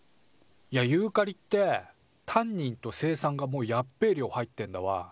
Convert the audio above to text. いやユーカリってタンニンと青酸がもうやっべえ量入ってんだわ。